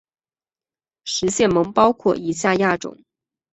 食蟹獴包括以下亚种